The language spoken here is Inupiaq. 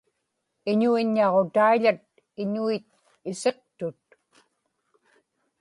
iñuiññaġutaiḷat iñuit isiqtut